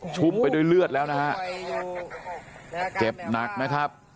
ชุ่มไปด้วยเลือดแล้วนะครับเจ็บหนักนะครับ